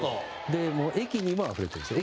もう駅にもあふれてるんですよ